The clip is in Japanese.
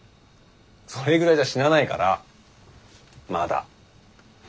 それぐらいじゃ死なないからまだ。